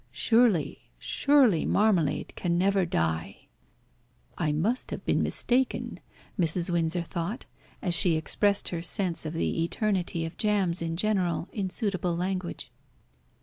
Surely, surely marmalade can never die!" "I must have been mistaken," Mrs. Windsor thought, as she expressed her sense of the eternity of jams in general in suitable language.